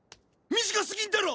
短すぎんだろ！